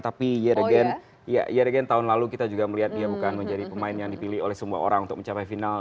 tapi yeagen tahun lalu kita juga melihat dia bukan menjadi pemain yang dipilih oleh semua orang untuk mencapai final